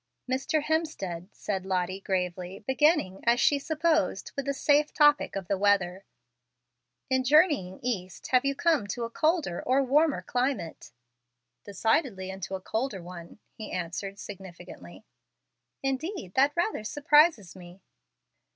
"Mr. Hemstead," said Lottie, gravely, beginning, as she supposed, with the safe topic of the weather, "in journeying east have you come to a colder or warmer climate?" "Decidedly into a colder one," he answered, significantly. "Indeed, that rather surprises me!"